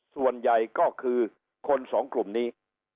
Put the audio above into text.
ส่วนใหญ่ก็คือคนสองกลุ่มนี้